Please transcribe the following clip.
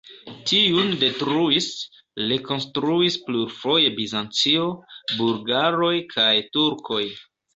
Tiun detruis, rekonstruis plurfoje Bizancio, bulgaroj kaj turkoj.